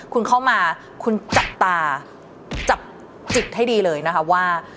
คุณเข้ามาคุณจับตาจับจิตให้ดีเลยนะคะว่า